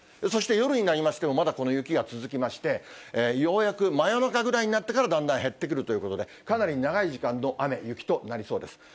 そして夜になりましても、まだこの雪が続きまして、ようやく真夜中ぐらいになってからだんだん減ってくるということで、かなり長い時間の雨、雪となりそうです。